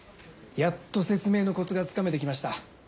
やっと説明のコツがつかめてきました。